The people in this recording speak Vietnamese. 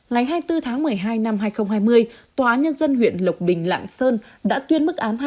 ngày hai mươi bốn tháng một mươi hai năm hai nghìn hai mươi tòa án nhân dân huyện lộc bình lạng sơn đã tuyên mức án